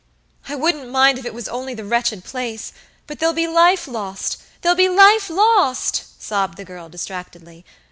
I wouldn't mind if it was only the wretched place, but there'll be life lost, there'll be life lost!" sobbed the girl, distractedly.